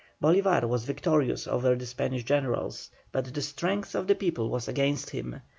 Bolívar was victorious over the Spanish generals, but the strength of the people was against him.